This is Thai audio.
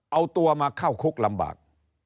เอาตัวมาเข้าคุกลำบาก